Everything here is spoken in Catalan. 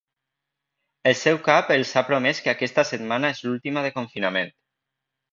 El seu cap els ha promès que aquesta setmana és l’última de confinament.